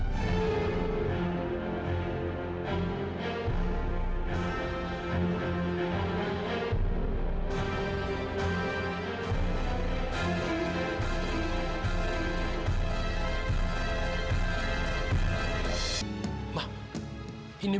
waktunya ayam iklim